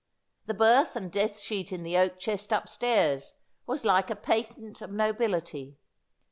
The birth and death sheet in the oak chest upstairs was like a patent of nobility.